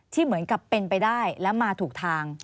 เหมือนกับเป็นไปได้และมาถูกทาง